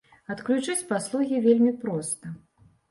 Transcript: Адключыць паслугі вельмі проста.